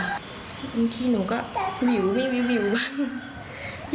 ด้านในที่หนูก็หวิวบ้าง